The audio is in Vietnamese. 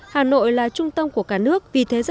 hà nội là trung tâm của cả nước